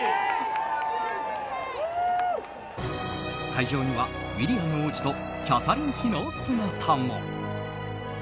会場にはウィリアム王子とキャサリン妃の姿も。